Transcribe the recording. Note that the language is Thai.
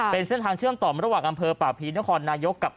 เป็นเส้นทางเชื่อมต่อระหว่างอำเภอป่าพีนครนายกกับ